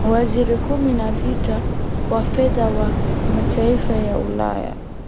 waziri kumi na sita wafedha wa mataifay ya ulaya